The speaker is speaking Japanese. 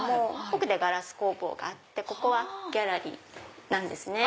奥でガラス工房があってここはギャラリーなんですね。